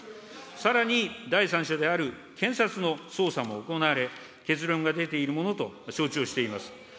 さらに第三者である検察の捜査も行われ、結論が出ているものと承知をしています。